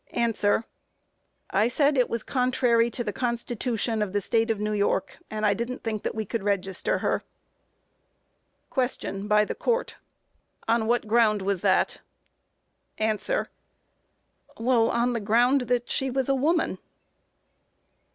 A. I said it was contrary to the Constitution of the State of New York, and I didn't think that we could register her. Q. (By the Court.) On what ground was that? A. Well, on the ground that she was a woman.